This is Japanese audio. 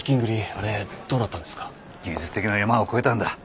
技術的なヤマは越えたんだ